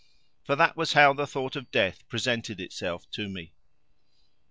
For that was how the thought of death presented itself to me.